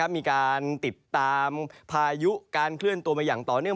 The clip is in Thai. มีการติดตามพายุการเคลื่อนตัวมาอย่างต่อเนื่อง